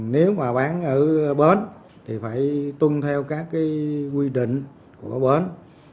nếu mà bán ở bến thì phải tuân theo các quy định của bến